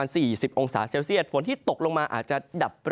ในภาคฝั่งอันดามันนะครับ